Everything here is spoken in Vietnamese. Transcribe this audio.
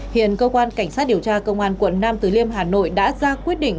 hiện cơ quan cảnh sát điều tra công an quận nam từ liêm hà nội đã ra quyết định